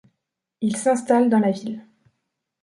Il s'installe dans la ville.